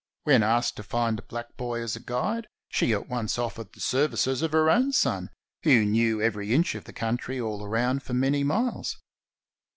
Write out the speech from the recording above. When asked to find a black boy as a guide, she at once offered the services of her own son, who knew every inch of the country all round for many miles.